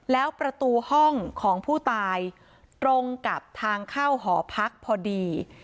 แล้วประตูห้องของผู้ตายตรงกับทางเข้าหอพักพอดี